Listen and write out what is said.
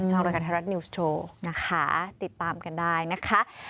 รายการไทยรัฐนิวส์โชว์นะคะติดตามกันได้นะคะ